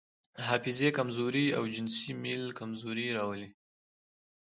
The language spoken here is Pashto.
د حافظې کمزوري او جنسي میل کمزوري راولي.